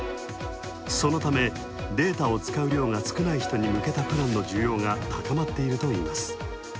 そのためデータを使う量が少ない人に向けたプランの需要が高まっているといいます。